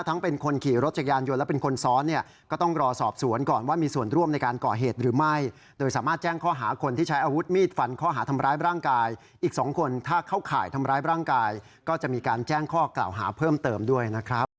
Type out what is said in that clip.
ทั้งเป็นคนขี่รถจักรยานยนต์และเป็นคนซ้อน